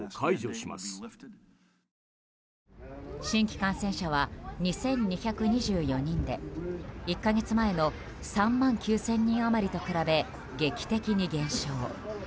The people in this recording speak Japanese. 新規感染者は２２２４人で１か月前の３万９０００人余りと比べ劇的に減少。